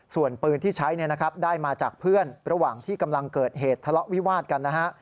ส่วนปืนที่ใช้ได้มาจากเพื่อนระหว่างที่กำลังเกิดเหตุทะเลาะวิวาดกันนะฮะ